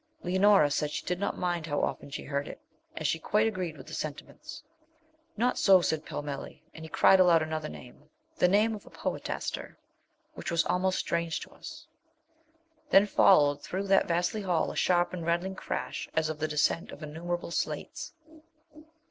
Leonora said she did not mind how often she heard it, as she quite agreed with the sentiments. 'Not so!' said Pellmelli; and he cried aloud another name the name of a poetaster which was almost strange to us. Then followed through that vasty hall a sharp and rattling crash, as of the descent of innumerable slates.